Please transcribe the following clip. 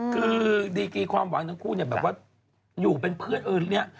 คือดีกีความหวังทั้งคู่เนี่ยแบบว่าอยู่เป็นเพื่อนเออเนี่ย